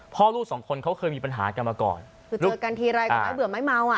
ลูกสองคนเขาเคยมีปัญหากันมาก่อนคือเจอกันทีไรก็ไม่เบื่อไม้เมาอ่ะ